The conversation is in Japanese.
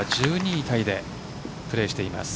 タイでプレーしています。